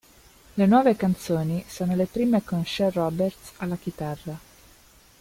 Le nuove canzoni sono le prime con Chet Roberts alla chitarra.